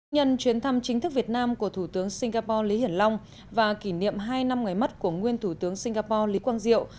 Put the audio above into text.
nhân chuyến thăm chính thức việt nam của thủ tướng singapore lý hiển long và kỷ niệm hai năm ngày mất của nguyên thủ tướng singapore lý quang diệu